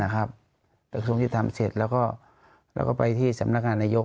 กระทรวงยุติธรรมเสร็จแล้วก็ไปที่สำนักงานนายก